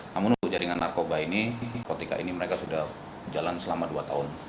namun untuk jaringan narkoba ini ketika ini mereka sudah jalan selama dua tahun